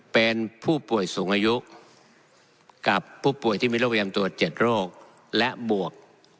เป็นผู้ป่วยสูงอายุกับผู้ป่วยที่มีโรคประจำตัว๗โรคและบวก